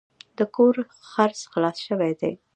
د کور خرڅ خلاص شوی دی.